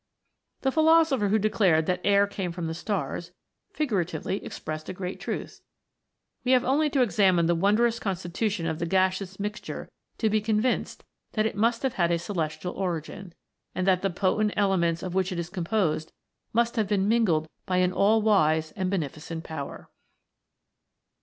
The philosopher who declared that air came from the stars, figuratively expressed a great truth. We have only to examine the wondrous constitution of the gaseous mixture to be convinced that it must 42 THE FOUR ELEMENTS. have had a celestial origin, and that the potent elements of which it is composed must have been mingled by an all wise and beneficent Power.